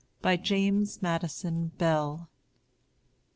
BY JAMES MADISON BELL.